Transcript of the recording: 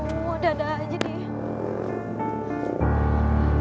aduh ada ada aja nih